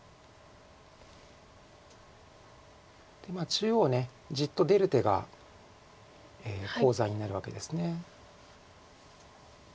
中央じっと出る手がコウ材になるわけです。